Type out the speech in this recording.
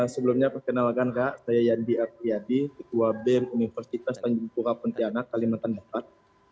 sebelumnya perkenalkan saya yandi ardiadi ketua bem universitas tanjung pura puntianak kalimantan barat